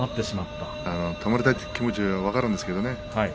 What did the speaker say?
止まりたいという気持ちは分かるんですけどね。